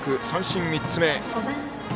三振、３つ目。